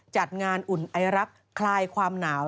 จัดงานอุ่นไอรักษ์คลายความหนาว